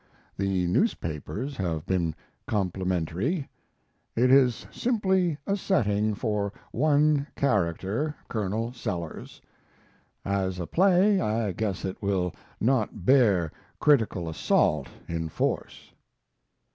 The newspapers have been complimentary. It is simply a setting for one character, Colonel Sellers. As a play I guess it will not bear critical assault in force.